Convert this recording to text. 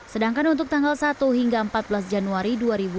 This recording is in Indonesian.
sedangkan untuk tanggal satu hingga empat belas januari dua ribu dua puluh